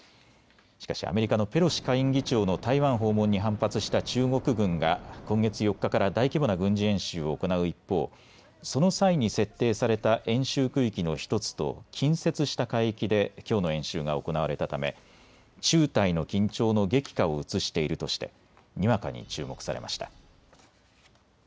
しかしアメリカのペロシ下院議長の台湾訪問に反発した中国軍が今月４日から大規模な軍事演習を行う一方、その際に設定された演習区域の１つと近接した海域できょうの演習が行われたため中台の緊張の激化を映しているとして、にわかに注目されました。